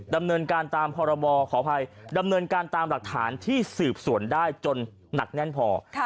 ดำเนินการตามพรบขออภัยดำเนินการตามหลักฐานที่สืบสวนได้จนหนักแน่นพอ